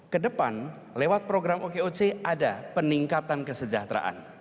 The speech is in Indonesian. kedepan lewat program okoc ada peningkatan kesejahteraan